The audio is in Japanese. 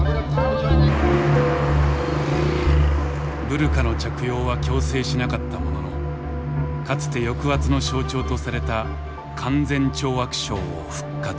ブルカの着用は強制しなかったもののかつて抑圧の象徴とされた勧善懲悪省を復活。